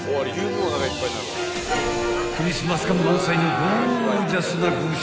［クリスマス感満載のゴージャスな５品］